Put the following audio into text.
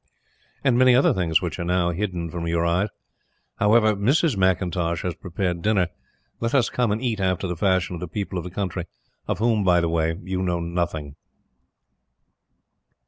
and many other things which now are hidden from your eyes. However, Mrs. McIntosh has prepared dinner. Let us come and eat after the fashion of the people of the country of whom, by the way, you know nothing."